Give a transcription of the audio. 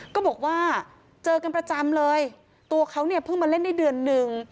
ก็บอกว่าเจอกันประจำเลยตัวเขาเนี่ยเพิ่งมาเล่นได้เดือนหนึ่ง